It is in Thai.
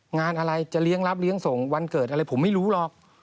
งานอะไรจะเลี้ยงรับเลี้ยงส่งวันเกิดอะไรผมไม่รู้หรอก